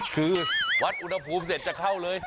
คือวัดอุณหภูมิเสร็จจะเข้าเลย